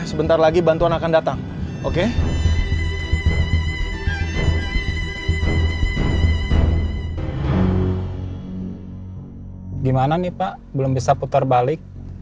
sebentar lagi bantuan akan datang oke gimana nih pak belum bisa putar balik